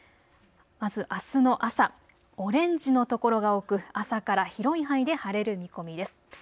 まずあすの朝、オレンジの所が多く朝から広い範囲で晴れる見込みです。